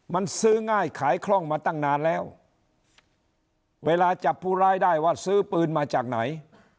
มันซื้อง่ายขายคล่องมาตั้งนานแล้วเวลาจับผู้ร้ายได้ว่าซื้อปืนมาจากไหน